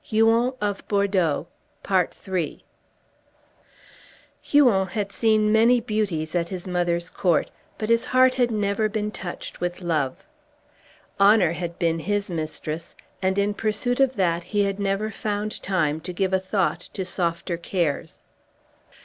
HUON OF BORDEAUX (Continued) HUON had seen many beauties at his mother's court, but his heart had never been touched with love. Honor had been his mistress, and in pursuit of that he had never found time to give a thought to softer cares.